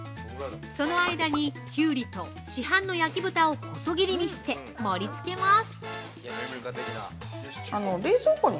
その間にきゅうりと市販の焼き豚を細切りにして盛り付けます。